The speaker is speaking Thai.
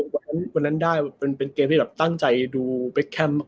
วันนั้นได้เป็นเกมที่แบบตั้งใจดูเบคแคมป์